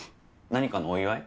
何かのお祝い？